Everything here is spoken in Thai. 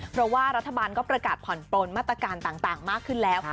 เพราะว่ารัฐบาลก็ประกาศผ่อนปลนมาตรการต่างมากขึ้นแล้ว